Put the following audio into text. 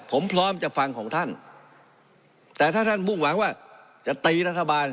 ผมพร้อมจะฟังของท่านแต่ถ้าท่านมุ่งหวังว่าจะตีรัฐบาล